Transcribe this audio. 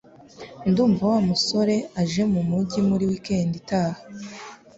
Ndumva Wa musore aje mumujyi muri weekend itaha